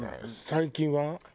最近は？